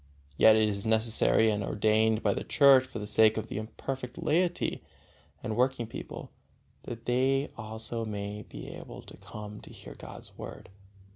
Yet it is a necessity and ordained by the Church for the sake of the imperfect laity and working people, that they also may be able to come to hear God's Word.